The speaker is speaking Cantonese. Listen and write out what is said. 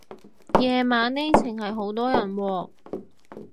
夜晚呢程係好多人喎